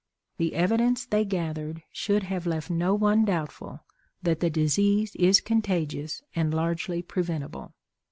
The evidence they gathered should have left no one doubtful that the disease is contagious, and largely preventable.